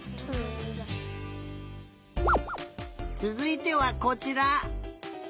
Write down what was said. つづいてはこちら。